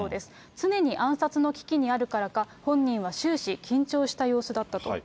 常に暗殺の危機にあるからか、本人は終始、緊張した様子だったと。